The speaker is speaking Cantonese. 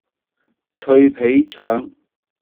脆皮腸